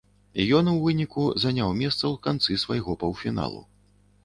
Ён у выніку заняў месца ў канцы свайго паўфіналу.